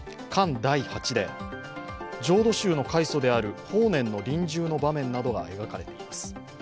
第八」で浄土宗の開祖である法然の臨終の場面などが描かれています。